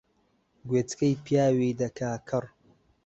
گوێچکەی پیاوی دەکا کەڕ